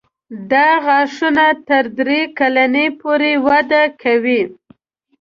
دا غاښونه تر درې کلنۍ پورې وده کوي.